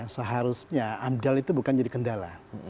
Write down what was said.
seharusnya amdal itu bukan jadi kendala